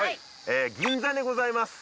銀座にございます